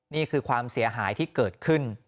นี่คือความเสียหายที่เกิดขึ้น